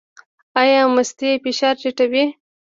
ایا مستې فشار ټیټوي؟